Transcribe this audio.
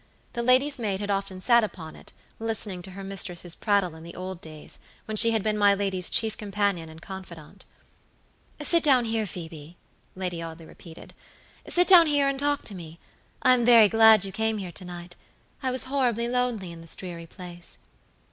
The lady's maid had often sat upon it listening to her mistress' prattle in the old days, when she had been my lady's chief companion and confidante. "Sit down here, Phoebe," Lady Audley repeated; "sit down here and talk to me; I'm very glad you came here to night. I was horribly lonely in this dreary place."